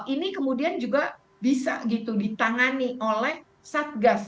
ini kemudian juga bisa gitu ditangani oleh satgas